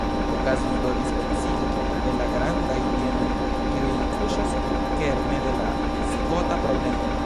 Okazus do dispecigo de la grandaj bienoj, kiuj kuŝas kerne de la skota problemo.